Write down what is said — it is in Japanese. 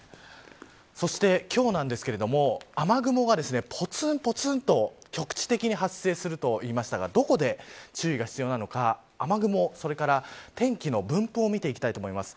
そして、今日なんですが雨雲がぽつん、ぽつんと局地的に発生すると言いましたがどこで注意が必要なのか雨雲、それから天気の分布を見ていきたいと思います。